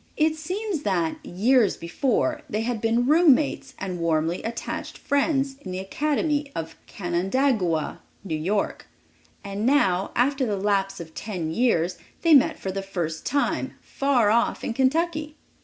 It seems that, years before, they had been roommates and warmly attached friends in the Academy of Canandaigua, New York, and now, after the lapse of ten years, they met for the first time far off in Kentucky.